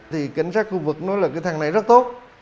thì cảnh sát khu vực nói là cái thang này rất tốt